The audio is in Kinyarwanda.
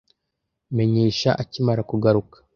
Menyesha akimara kugaruka.